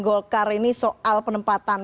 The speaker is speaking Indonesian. golkar ini soal penempatan